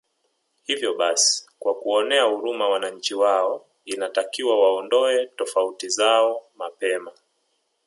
Hivo basi kwa kuwaonea huruma wananchi wao inatakiwa waondoe tofauti zao mapema